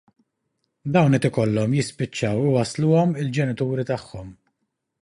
Dawn qed ikollhom jispiċċaw iwassluhom il-ġenituri tagħhom.